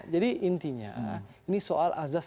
jadi intinya ini soal asas